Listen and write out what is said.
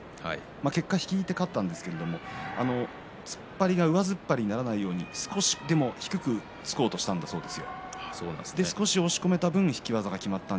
結果引いて勝ったんですけれども突っ張りは上突っ張りにならないように少しでも低く突こうとしたんですよ。